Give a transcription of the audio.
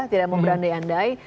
tidak mau berandai andai